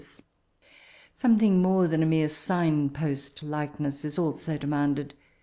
Some thing more tnan a mere sign post likeness is also demanded.